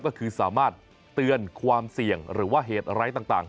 ก็คือสามารถเตือนความเสี่ยงหรือว่าเหตุไร้ต่าง